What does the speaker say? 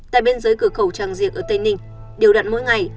tại bên dưới cửa khẩu trang diệt ở tây ninh điều đặn mỗi ngày